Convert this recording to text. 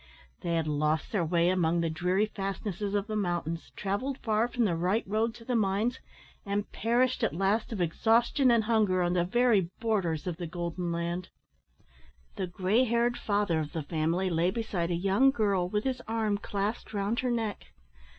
They had lost their way among the dreary fastnesses of the mountains, travelled far from the right road to the mines, and perished at last of exhaustion and hunger on the very borders of the golden land. The grey haired father of the family lay beside a young girl, with his arm clasped round her neck.